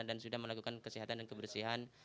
dan sudah melakukan kesehatan dan kebersihan